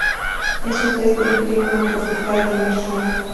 Es un pez de de clima tropical demersal.